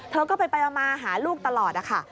เธอก็ไปมาหาลูกตลอดนะคะ